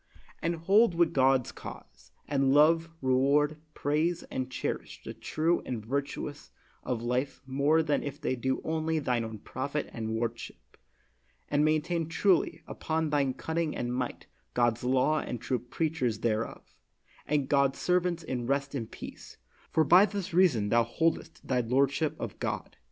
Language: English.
And hold with God's cause, and love, reward, praise, and cherish the true and virtuous of life more than if they do only thine own profit and worship; and maintain truly, upon thy cunning and might, God 's law and true preachers thereof, and God's servants in rest and peace, for by this reason thou holdest thy lordship of God.